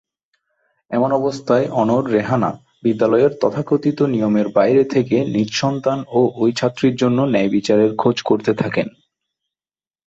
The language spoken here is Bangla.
এমন অবস্থায় অনড় রেহানা বিদ্যালয়ের তথাকথিত নিয়মের বাইরে থেকে নিজ সন্তান ও ওই ছাত্রীর জন্য ন্যায়বিচারের খোঁজ করতে থাকেন।